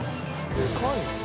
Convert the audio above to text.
でかいな。